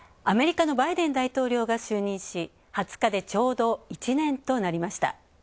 アメリカのバイデン大統領が就任し２０日でちょうど１年となりました。